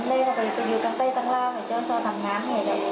เพราะฉะนั้นเรียกว่าจะอยู่กันเต้นข้างล่างให้เจ้าโซนำน้ำให้ดัง